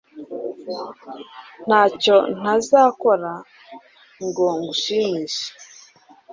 ntacyo nzazakora, ngo ngushimishe